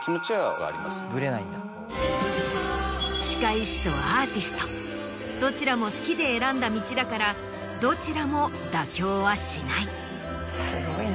歯科医師とアーティストどちらも好きで選んだ道だからどちらも妥協はしない。